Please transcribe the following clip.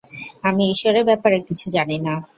আমি ঈশ্বরের ব্যাপারে কিছু জানি না।